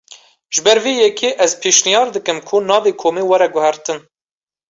Ji ber vê yekê, ez pêşniyar dikim ku navê komê were guhertin